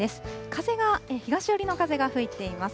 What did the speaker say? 風が、東寄りの風が吹いています。